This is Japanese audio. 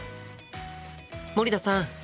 森田さん